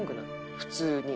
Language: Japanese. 普通に。